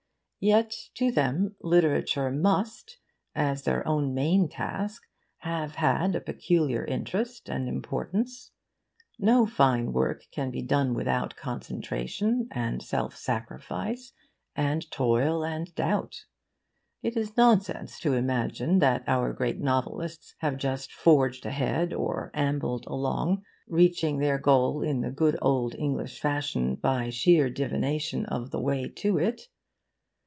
Yet to them literature must, as their own main task, have had a peculiar interest and importance. No fine work can be done without concentration and self sacrifice and toil and doubt. It is nonsense to imagine that our great novelists have just forged ahead or ambled along, reaching their goal, in the good old English fashion, by sheer divination of the way to it.